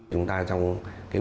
chúng ta trong cái buổi thử nghiệm